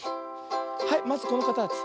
はいまずこのかたち。